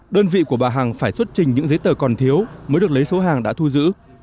đơn vị của bà hằng phải xuất trình những giấy tờ còn thiếu mới được lấy số hàng đã thu giữ